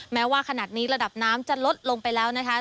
แม้ว่าขนาดนี้ระดับน้ำจะลดลงไปแล้วนะคะ